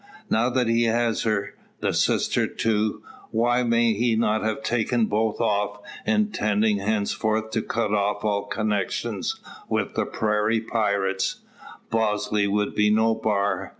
Now that he has her the sister too why may he not have taken both off, intending henceforth to cut all connection with the prairie pirates? Bosley would be no bar.